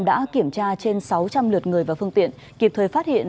đã kiểm tra trên sáu trăm linh lượt người và phương tiện kịp thời phát hiện